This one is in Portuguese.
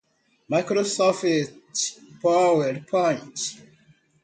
Microsoft PowerPoint.